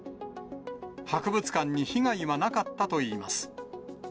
博物館に被害はなかったといいます。